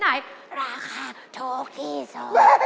ราคา๒พี่สอง